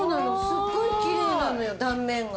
すっごいキレイなのよ断面が。